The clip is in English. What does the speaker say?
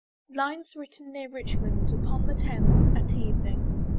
LINES WRITTEN NEAR RICHMOND, UPON THE THAMES, AT EVENING.